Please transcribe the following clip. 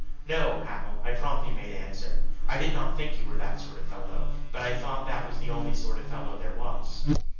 "No, Hal," I promptly made answer. "I did not think you were that sort of fellow; but I thought that was the only sort of fellow there was."